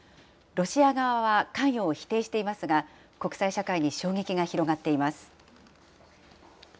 ロシア側は関与を否定していますが、国際社会に衝撃が広がっています。